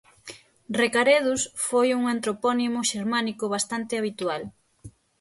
Recaredus foi un antropónimo xermánico bastante habitual.